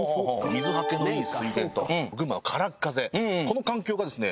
水はけのいい水田と群馬のからっ風この環境がですね